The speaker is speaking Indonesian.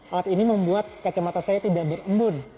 alat ini membuat kacamata saya tidak berembun